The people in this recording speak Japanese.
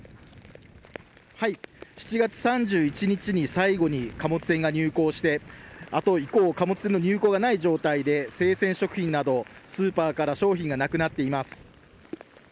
７月３１日に最後に貨物船が入港して、あと以降、貨物船の入港がない状態で、生鮮食品など、スーパーから商品がなくなっています。